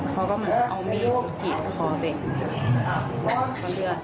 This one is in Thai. เขาก็เอามีดกินคอตัวเอง